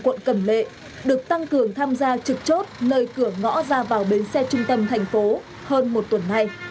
với số lượng công an phường trực chốt đã trở nên quen thuộc